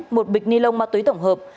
một bịch ni lông ma túy tổng hợp